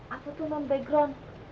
apa tuh nam background